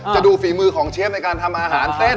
ดูฝีมือของเชฟในการทำอาหารเส้น